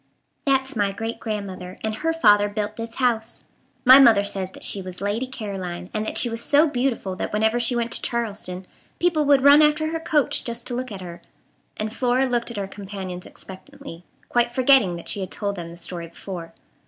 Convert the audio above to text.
"That's my great grandmother; and her father built this house. My mother says that she was Lady Caroline, and that she was so beautiful that whenever she went to Charleston people would run after her coach just to look at her," and Flora looked at her companions expectantly, quite forgetting that she had told them the story before.